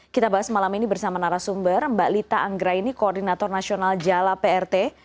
kita bahas malam ini bersama narasumber mbak lita anggraini koordinator nasional jala prt